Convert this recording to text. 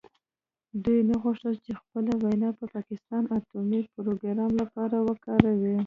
دوی نه غوښتل چې خپله وینه د پاکستان اټومي پروګرام لپاره وکاروي.